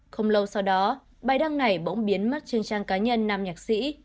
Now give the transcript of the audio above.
không lâu sau đó bài đăng này bỗng biến mất trên trang cá nhân nam nhạc sĩ